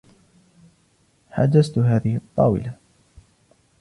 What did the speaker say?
حجزت هذه الطاولة.